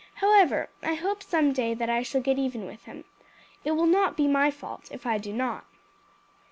However, I hope some day that I shall get even with him. It will not be my fault if I do not."